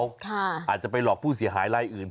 อาจจะไปหลอกผู้เสียหายลายอื่น